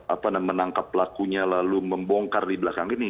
apa namanya menangkap pelakunya lalu membongkar di belakang ini